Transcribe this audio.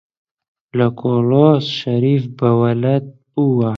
لە کۆلۆس شەریف بە وەلەد بووە